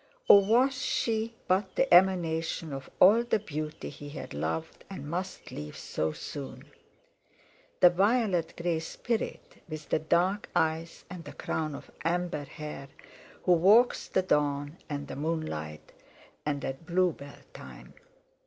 Or was she but the emanation of all the beauty he had loved and must leave so soon? The violet grey spirit with the dark eyes and the crown of amber hair, who walks the dawn and the moonlight, and at blue bell time?